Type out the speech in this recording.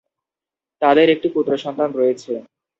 তাদের একটি পুত্র সন্তান রয়েছে।